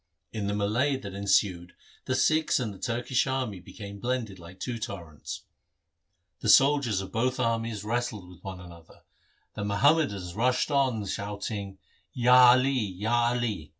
In the melee that ensued the Sikhs and the Turkish army became blended like two torrents. The soldiers of both armies wrestled 88 THE SIKH RELIGION with one another. The Muhammadans rushed on shouting ' Ya Ali